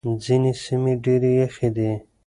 ځينې سيمې ډېرې يخې دي.